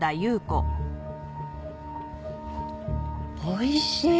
おいしい！